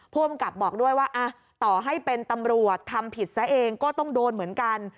ผู้กำกับบอกด้วยว่าต่อให้เป็นตำรวจทำผิดซะเองก็ต้องโดนเหมือนกัน